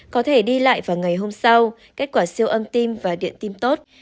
có thể đi lại vào ngày hôm sau kết quả siêu âm tim và điện tim tốt